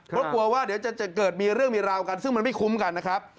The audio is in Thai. เพราะกลัวว่าเดี๋ยวจะเกิดมีเรื่องมีราวกันซึ่งมันไม่คุ้มกันนะครับ